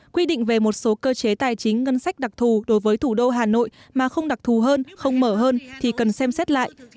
quy định về một số cơ chế tài chính ngân sách đặc thù đối với thủ đô hà nội mà không đặc thù hơn không mở hơn thì cần xem xét lại